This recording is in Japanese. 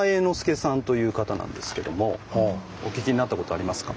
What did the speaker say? お聞きになったことありますか？